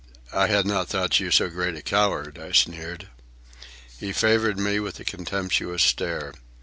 "I had not thought you so great a coward," I sneered. He favoured me with a contemptuous stare.